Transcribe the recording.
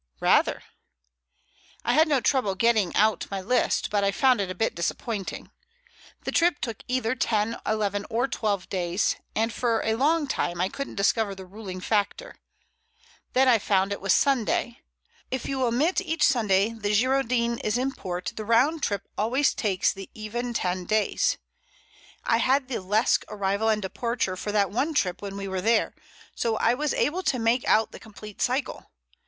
"Rather." "I had no trouble getting out my list, but I found it a bit disappointing. The trip took either ten, eleven, or twelve days, and for a long time I couldn't discover the ruling factor. Then I found it was Sunday. If you omit each Sunday the Girondin is in port, the round trip always takes the even ten days. I had the Lesque arrival and departure for that one trip when we were there, so I was able to make out the complete cycle.